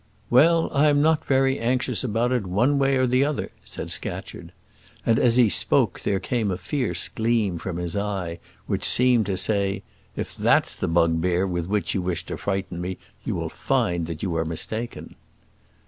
"Well, I am not very anxious about it, one way or the other," said Scatcherd. And as he spoke there came a fierce gleam from his eye, which seemed to say "If that's the bugbear with which you wish to frighten me, you will find that you are mistaken."